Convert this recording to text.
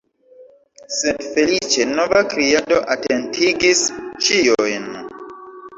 Sed, feliĉe, nova kriado atentigis ĉiujn.